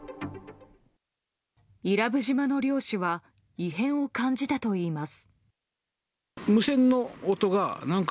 伊良部島の漁師は異変を感じたといいます。